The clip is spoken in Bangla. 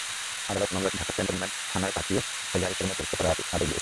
আদালত মামলাটি ঢাকার ক্যান্টনমেন্ট থানায় পাঠিয়ে এজাহার হিসেবে নথিভুক্ত করার আদেশ দেন।